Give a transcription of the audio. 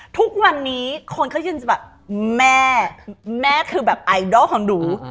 ทุกวันนี้คนเขายืนจะแบบแม่แม่คือแบบไอดอลของหนู